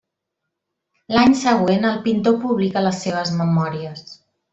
L'any següent el pintor publica les seves memòries.